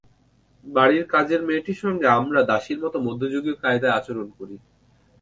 বাড়ির কাজের মেয়েটির সঙ্গে আমরা দাসীর মতো মধ্যযুগীয় কায়দায় আচরণ করি।